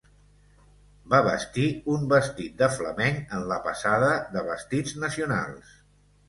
Va vestir un vestit de flamenc en la passada de vestits nacionals.